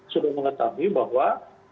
sudah mengetahui bahwa